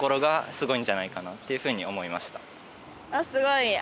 すごい！